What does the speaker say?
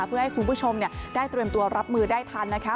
เพื่อให้คุณผู้ชมได้เตรียมตัวรับมือได้ทันนะคะ